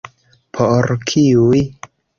Por kiuj?